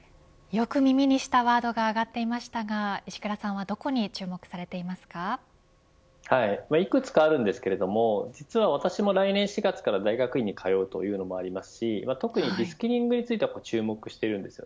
よく耳にしたワードが上がっていましたが、石倉さんは幾つかあるんですけれども実は私も来年４月から大学院に通うというのもありますし特にリスキリングについては注目しています。